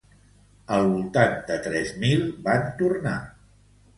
Al voltant de tres mil van tornar.